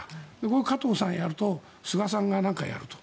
これを加藤さんがやると菅さんが何かやると。